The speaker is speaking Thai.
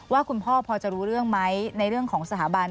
ว่าคุณพ่อพอจะรู้เรื่องไหมในเรื่องของสถาบัน